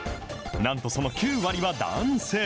なんとその９割は男性。